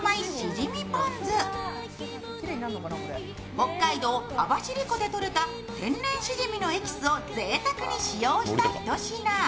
北海道網走湖でとれた天然しじみのエキスをぜいたくに使用したひと品。